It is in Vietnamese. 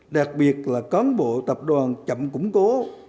đặc biệt là cán bộ tập đoàn chậm củng cố